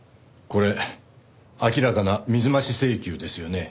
これ明らかな水増し請求ですよね。